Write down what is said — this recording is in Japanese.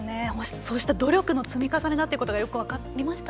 そうした努力の積み重ねだということがよく分かりました。